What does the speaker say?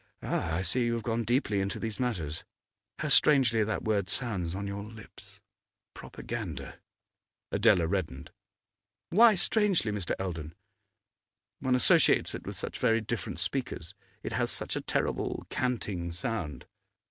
Ah, I see you have gone deeply into these matters. How strangely that word sounds on your lips propaganda!' Adela reddened. 'Why strangely, Mr. Eldon?' 'One associates it with such very different speakers; it has such a terrible canting sound.